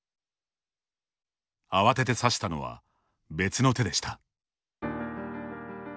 慌てて指したのは別の手でした。